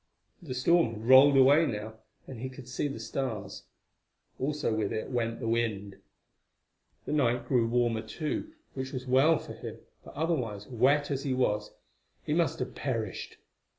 The storm had rolled away now, and he could see the stars; also with it went the wind. The night grew warmer, too, which was well for him, for otherwise, wet as he was, he must have perished.